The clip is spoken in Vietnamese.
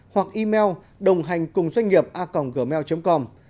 hoặc email đồnghànhcungdoanhnghiệpaconggmail com